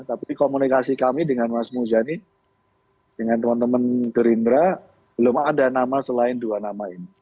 tapi komunikasi kami dengan mas muzani dengan teman teman gerindra belum ada nama selain dua nama ini